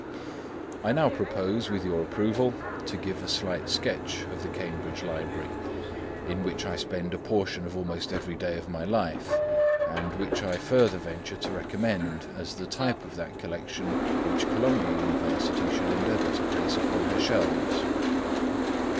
I now propose, with your approval, to give a slight sketch of the Cambridge Library, in which I spend a portion of almost every day of my life, and which I further venture to recommend as the type of that collection which Columbia University should endeavour to place upon her shelves.